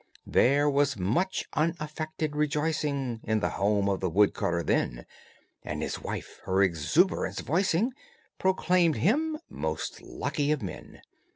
There was much unaffected rejoicing In the home of the woodcutter then, And his wife, her exuberance voicing, Proclaimed him most lucky of men.